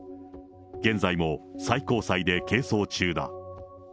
現在も最高裁で係争中だ。